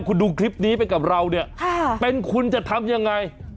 คุณดูคลิปนี้ไปกับเราเนี่ยเป็นคุณจะทำยังไง